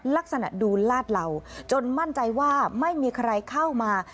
ลักษณะดูลาดเหล่าจนมั่นใจว่าไม่มีใครเข้ามา